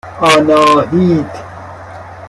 آناهیت